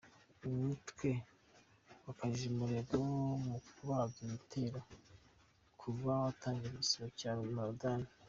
Uyu mutwe wakajije umurego mu kugaba ibitero kuva hatangira igisibo cya Ramadani.